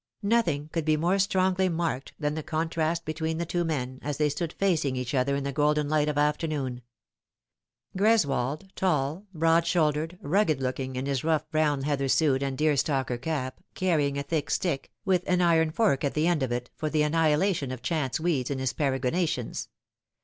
Nothing could be more strongly marked than the contrast between the two men, as they stood facing each other in the golden light of afternoon. Greswold, tall, broad shouldered, rugged looking, in his rough brown heather suit and deerstalker cap, carrying a thick stick, with an iron fork at the end of it, for the annihilation of chance weeds in his peregrinations.